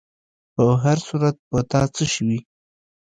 په هر صورت، په تا څه شوي؟